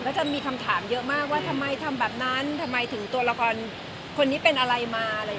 ก็จะมีคำถามเยอะมากว่าทำไมทำแบบนั้นทำไมถึงตัวละครคนนี้เป็นอะไรมาอะไรอย่างนี้